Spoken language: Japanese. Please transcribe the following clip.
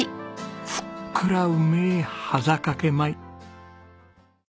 ふっくらうめえはざかけ米。